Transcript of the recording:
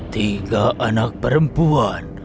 tiga anak perempuan